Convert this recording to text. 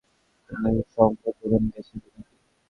তুমি শম্ভুর দোকানে গেছিলে নাকি?